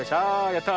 やった！